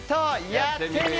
やってみる！